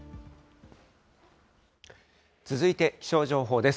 続いて気象情報です。